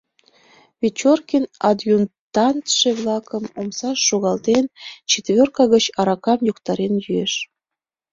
Вечоркин, адъютантше-влакым омсаш шогалтен, четверка гыч аракам йоктарен йӱэш.